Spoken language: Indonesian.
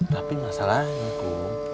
tapi masalahnya bu